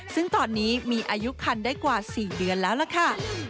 ซึ่งตอนนี้มีอายุคันได้กว่า๔เดือนแล้วล่ะค่ะ